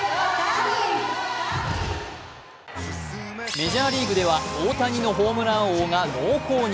メジャーリーグでは大谷のホームラン王が濃厚に。